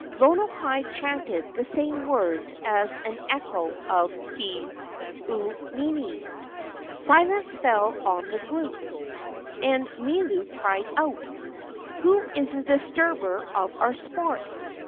Lono kai chanted the same words as an echo of Ke au nini. Silence fell on the group, and Milu cried out: "Who is the disturber of our sport?